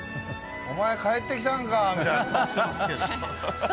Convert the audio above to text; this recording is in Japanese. おまえ帰ってきたんかみたいな顔してますけど。